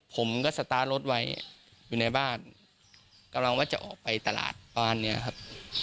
ผมก็สตาร์ทรถไว้อยู่ในบ้านกำลังว่าจะออกไปตลาดประมาณเนี้ยครับ